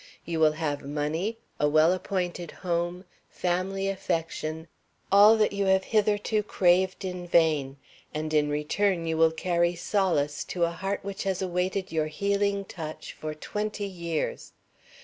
You will have money, a well appointed home, family affection, all that you have hitherto craved in vain, and in return you will carry solace to a heart which has awaited your healing touch for twenty years.